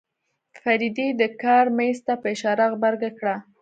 فريدې د کار مېز ته په اشاره غبرګه کړه.